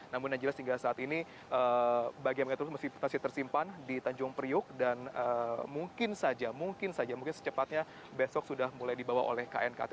namun yang jelas hingga saat ini bagian bagian tersebut masih tersimpan di tanjung priuk dan mungkin saja mungkin saja mungkin secepatnya besok sudah mulai dibawa oleh knkt